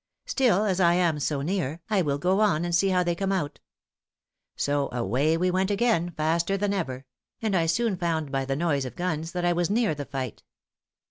Still, as I am so near, I will go on and see how they come out. So away we went again, faster than ever; and I soon found by the noise of guns that I was near the fight.